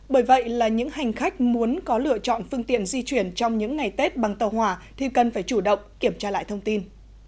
bởi vậy là những hành khách muốn có lựa chọn phương tiện di chuyển trong những ngày tết bằng tàu hỏa thì cần phải chủ động kiểm tra lại thông tin